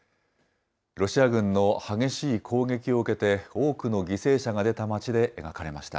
ロシア軍の激しい攻撃を受けて、多くの犠牲者が出た町で描かれました。